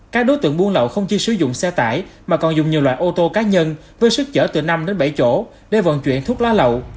các đối tượng buôn lậu không chỉ sử dụng xe tải mà còn dùng nhiều loại ô tô cá nhân với sức chở từ năm đến bảy chỗ để vận chuyển thuốc lá lậu